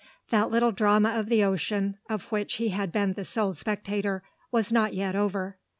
That little drama of the ocean, of which he had been the sole spectator, was not yet over.